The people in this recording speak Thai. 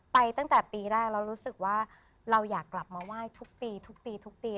ไปตั้งแต่ปีแรกเรารู้สึกว่าเราอยากกลับมาไหว้ทุกปี